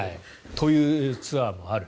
というツアーもある。